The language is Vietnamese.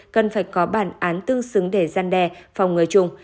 cần phải có bản án tương xứng để gian đe phòng người trùng